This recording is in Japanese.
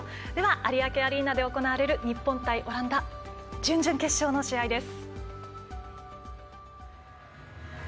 有明アリーナで行われる日本対オランダ準々決勝の試合です。